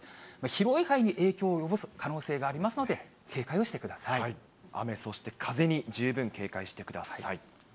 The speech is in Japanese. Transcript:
広ーい範囲に影響を及ぼす可能性がありますので、警戒をしてくだ雨、そして風に十分警戒してください。